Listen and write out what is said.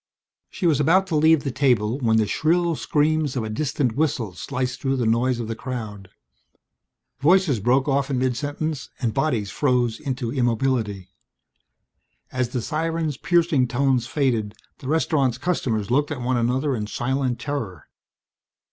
She was about to leave the table when the shrill screams of a distant whistle sliced through the noise of the crowd. Voices broke off in mid sentence and bodies froze into immobility. As the siren's piercing tones faded the restaurant's customers looked at one another in silent terror.